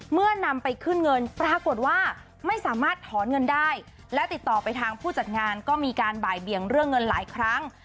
นำไปขึ้นเงินปรากฏว่าไม่สามารถถอนเงินได้และติดต่อไปทางผู้จัดงานก็มีการบ่ายเบียงเรื่องเงินหลายครั้ง